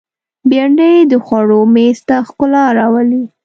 بېنډۍ د خوړو مېز ته ښکلا راولي